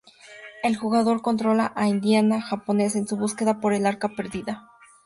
El jugador controla a Indiana Jones en su búsqueda por el Arca perdida.